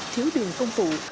thiếu đường công phụ